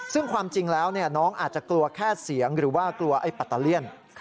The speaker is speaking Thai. ซึ่งความจริงแล้วน้องอาจจะกลัวแค่เสียงหรือว่ากลัวไอ้ปัตตาเลี่ยน